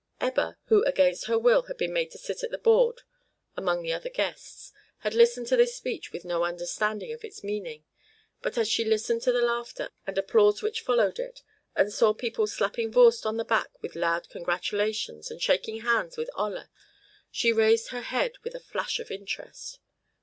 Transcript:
Ebba, who against her will had been made to sit at the board among the other guests, had listened to this speech with no understanding of its meaning. But as she listened to the laughter and applause which followed it, and saw people slapping Voorst on the back with loud congratulations and shaking hands with Olla, she raised her head with a flash of interest.